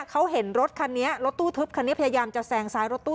เขาเห็นรถคันนี้รถตู้ทึบคันนี้พยายามจะแซงซ้ายรถตู้